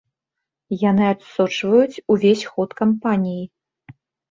Яны адсочваюць увесь ход кампаніі.